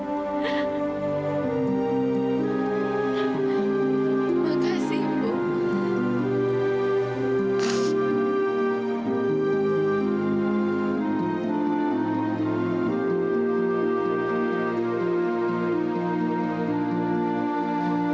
terima kasih bu